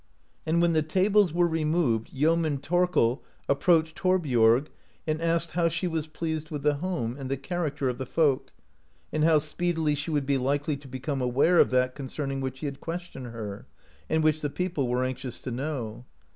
And when the tables were removed Yeoman Thorkel approached Thorbiorg, and asked how she was pleased with the home, and the character of the folk, and how speedily she would be likely to become aware of that concerning which he had questioned her, and which the people were anxious to know.